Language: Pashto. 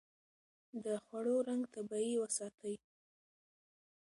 د خوړو رنګ طبيعي وساتئ.